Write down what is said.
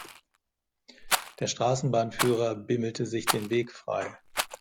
Der Straßenbahnführer bimmelte sich den Weg frei.